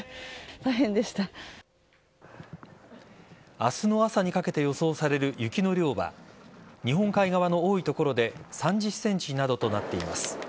明日の朝にかけて予想される雪の量は日本海側の多い所で３０ｃｍなどとなっています。